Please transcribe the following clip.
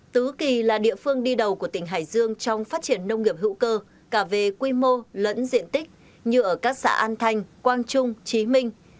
tứ kỳ là địa phương đi đầu của tỉnh hải dương trong phát triển nông nghiệp hữu cơ cả về quy mô lẫn diện tích như ở các xã an thanh quang trung trí minh